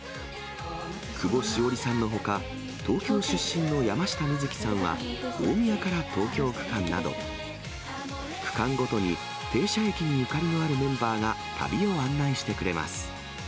久保史緒里さんのほか、東京出身の山下美月さんは大宮から東京区間など、区間ごとに停車駅にゆかりのあるメンバーが、旅を案内してくれます。